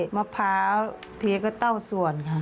มะพร้าวเพียก็เต้าส่วนค่ะ